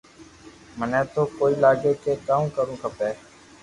مني تو ڪوئي لاگي ڪي ڪاو ڪروُ کپي